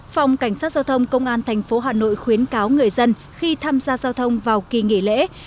phòng cảnh sát giao thông công an tp hà nội khuyến cáo người dân khi tham gia giao thông vào kỳ nghỉ lễ